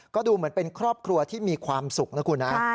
ก็ดูเหมือนเป็นครอบครัวที่มีความสุขนะคุณนะ